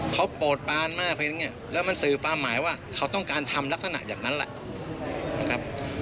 เขาโปรดปานมากเพลงนี้แล้วมันสื่อความหมายว่าเขาต้องการทำลักษณะอย่างนั้นแหละนะครับ